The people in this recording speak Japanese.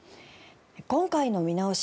今回の見直し